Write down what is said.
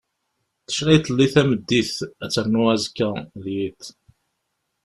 Tecna iḍelli tameddit ad ternu azekka d yiḍ.